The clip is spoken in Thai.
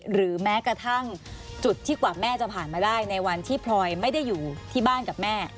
หรือแม้กระทั่งจุดที่กว่าแม่จะผ่านมาได้ในวันที่พลอยไม่ได้อยู่ที่บ้านกับแม่